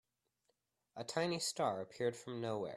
A tiny star appeared from nowhere.